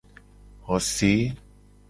Xose.